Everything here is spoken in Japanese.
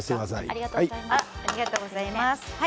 ありがとうございます。